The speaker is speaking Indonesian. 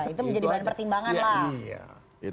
itu menjadi bahan pertimbangan lah